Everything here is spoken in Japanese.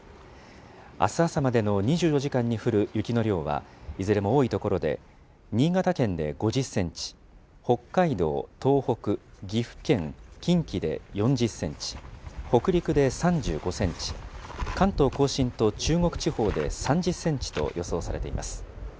あす朝までの２４時間に降る雪の量はいずれも多い所で、新潟県で５０センチ、北海道、東北、岐阜県、近畿で４０センチ、北陸で３５センチ、関東甲信と中国地方で３０センチと予想されています。